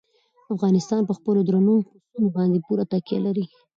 افغانستان په خپلو درنو پسونو باندې پوره تکیه لري.